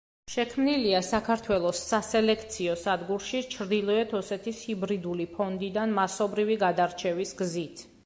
შექმნილია საქართველოს სასელექციო სადგურში ჩრდილოეთ ოსეთის ჰიბრიდული ფონდიდან მასობრივი გადარჩევის გზით.